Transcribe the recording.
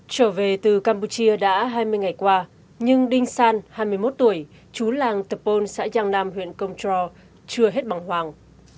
trở về từ campuchia đã hai mươi ngày qua nhưng đinh san hai mươi một tuổi chú làng tepon xã giang nam huyện công tro chưa hết bằng hoàng